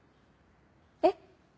えっ？